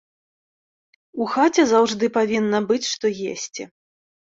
У хаце заўжды павінна быць што есці.